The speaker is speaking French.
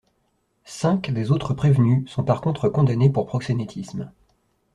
Cinq des autres prévenus sont par contre condamnés pour proxénétisme.